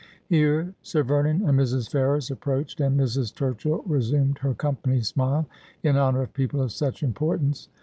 Here Sir Vernon and Mrs. Ferrers approached, and Mrs. Turchill resumed her company smile in honour of people of such importance.